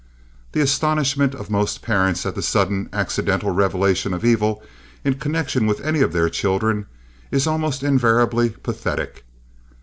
The astonishment of most parents at the sudden accidental revelation of evil in connection with any of their children is almost invariably pathetic.